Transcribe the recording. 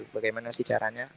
bagaimana sih caranya